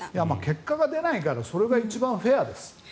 結果が出ないからそれが一番フェアです。